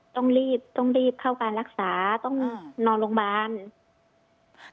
ต้องรีบต้องรีบเข้าการรักษาต้องนอนโรงพยาบาล